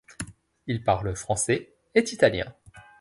Il parle français et italien.